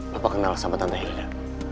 papa kenal sama tante hilda